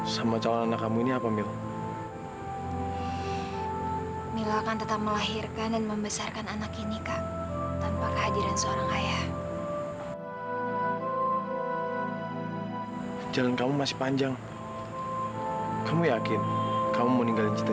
sampai jumpa di video selanjutnya